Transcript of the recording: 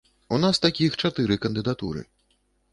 У нас такіх чатыры кандыдатуры.